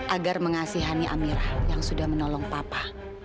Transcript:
agar mengasihani amir yang sudah menolong papa